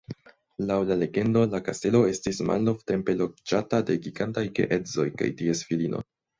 Laŭ la legendo, la kastelo estis malnovtempe loĝata de gigantaj geedzoj kaj ties filino.